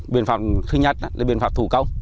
biện pháp thứ nhất là biện pháp thủ công